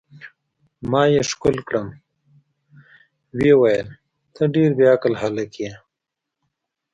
ما یې ښکل کړم، ویې ویل: ته ډېر بې عقل هلک یې.